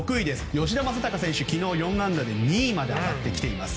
吉田正尚選手は昨日４安打で２位まで上がっています。